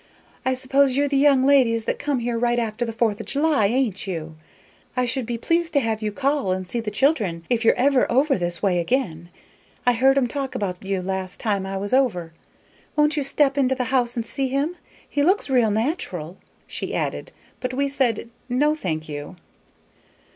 I s'pose you're the young ladies that come here right after the Fourth o' July, ain't you? I should be pleased to have you call and see the child'n if you're over this way again. I heard 'em talk about you last time I was over. Won't ye step into the house and see him? He looks real natural," she added. But we said, "No, thank you."